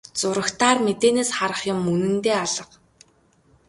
Зурагтаар мэдээнээс харах юм үнэндээ алга.